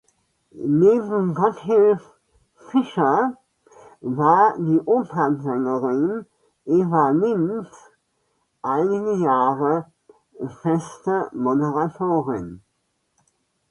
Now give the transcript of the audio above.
Neben Gotthilf Fischer war die Opernsängerin Eva Lind einige Jahre feste Moderatorin.